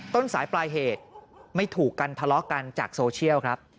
ต้นสายปลายเหตุไม่ถูกกันทะเลาะกันจากโซเชียลครับ